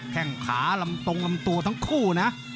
แค่งขาลำตรงลำตัวทั้งคู่นะ